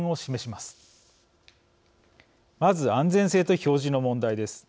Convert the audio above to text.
まず、安全性と表示の問題です。